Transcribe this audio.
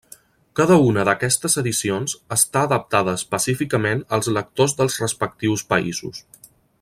Cada una d'aquestes edicions està adaptada específicament als lectors dels respectius països.